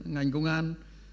ngành công an